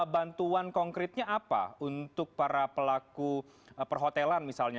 bantuan konkretnya apa untuk para pelaku perhotelan misalnya